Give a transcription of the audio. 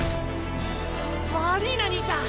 悪ぃなにいちゃん。